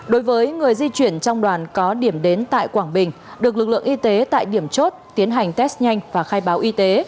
đối với người di chuyển trong đoàn có điểm đến tại quảng bình được lực lượng y tế tại điểm chốt tiến hành test nhanh và khai báo y tế